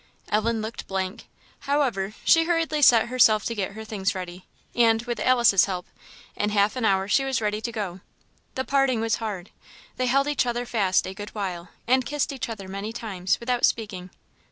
Ellen looked blank. However, she hurriedly set herself to get her things together; and, with Alice's help, in half an hour she was ready to go. The parting was hard. They held each other fast a good while, and kissed each other many times, without speaking.